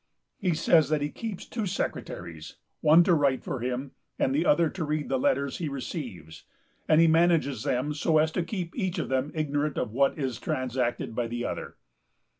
He says that he keeps two secretaries, one to write for him, and the other to read the letters he receives, and he manages them so as to keep each of them ignorant of what is transacted by the other."